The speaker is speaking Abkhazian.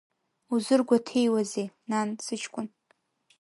Узыргәаҭеиуазеи, нан, сыҷкәын?